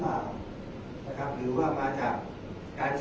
แต่ว่าไม่มีปรากฏว่าถ้าเกิดคนให้ยาที่๓๑